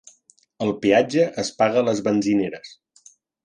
El peatge es paga a les benzineres.